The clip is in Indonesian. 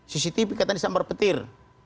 cctv katanya sambar petir